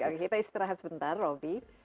oke kita istirahat sebentar roby